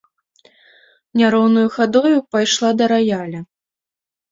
Няроўнаю хадою пайшла да раяля.